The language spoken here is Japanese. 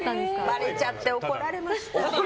ばれちゃって怒られました。